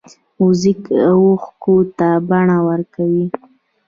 موزیک اوښکو ته بڼه ورکوي.